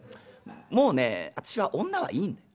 もうね私は女はいいんだよ。